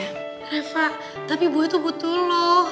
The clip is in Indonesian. reva tapi gue tuh butuh lo